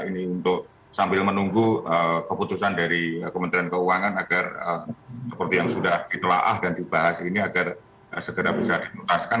ini untuk sambil menunggu keputusan dari kementerian keuangan agar seperti yang sudah ditelaah dan dibahas ini agar segera bisa dimuntaskan